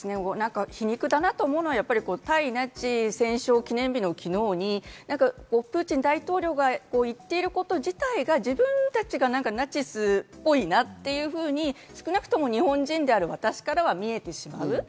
皮肉だなと思うのは、対ナチ戦勝記念日の昨日にプーチン大統領が言っていること自体が自分たちがナチスっぽいなというふうに、少なくとも日本人である私からは見えてしまう。